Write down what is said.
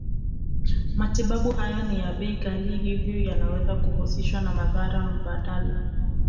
Matibabu haya ni ya bei ghali hivyo yanaweza kuhusishwa na madhara mbadala